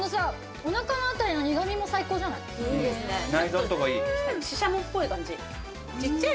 おなかのあたりの苦味も最高じゃない。